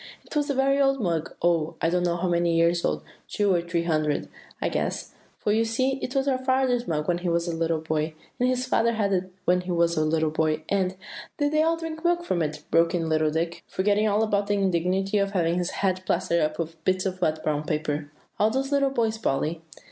It was a very old mug, oh! I don't know how many years old, two or three hundred, I guess; for you see it was our father's mug when he was a little boy, and his father had it when he was a little boy, and" "Did they all drink their milk from it?" broke in little Dick, forgetting all about the indignity of having his head plastered up with bits of wet brown paper; "all those little boys, Polly?"